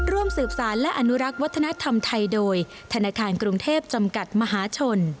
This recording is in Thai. ร่วมสืบสารและอนุรักษ์วัฒนธรรมไทยโดยธนาคารกรุงเทพจำกัดมหาชน